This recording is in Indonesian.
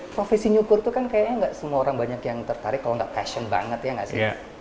profesi nyukur itu kan kayaknya nggak semua orang banyak yang tertarik kalau nggak passion banget ya gak sih